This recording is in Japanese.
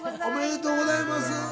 おめでとうございます。